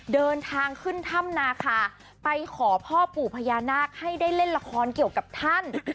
เดินทางขึ้นถ้ำนาคาไปขอพ่อปู่พญานาคให้ได้เล่นละครเกี่ยวกับท่าน